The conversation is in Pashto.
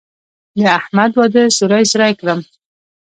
د احمد واده سوري سوري کړم.